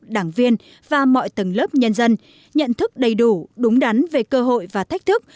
đảng viên và mọi tầng lớp nhân dân nhận thức đầy đủ đúng đắn về cơ hội và thách thức